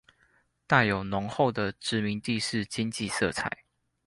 帶有濃厚的殖民地式經濟色彩